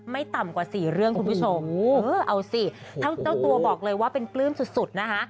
ไม่ต่ำกว่าสี่เรื่องคุณผู้ชมเอาสิทั้งเจ้าตัวบอกเลยว่าเป็นปลื้มสุดสุดนะคะ